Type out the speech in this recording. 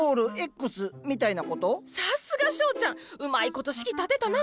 さすが翔ちゃんうまいこと式立てたな。